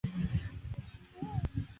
曹爽兄弟最终都决定向司马懿投降。